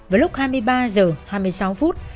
vào lúc hai mươi ba h hai mươi sáu phút